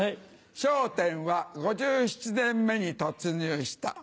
「『笑点』は５７年目に突入した」。